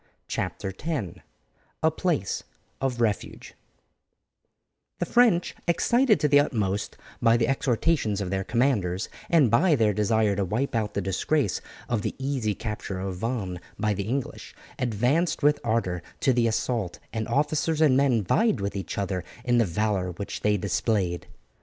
CHAPTER X: A PLACE OF REFUGE The French, excited to the utmost by the exhortations of their commanders, and by their desire to wipe out the disgrace of the easy capture of Vannes by the English, advanced with ardour to the assault, and officers and men vied with each other in the valour which they displayed.